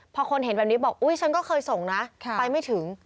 พอคนเห็นแบบนี้บอกอุ๊ยฉันก็เคยส่งนะไปไม่ถึง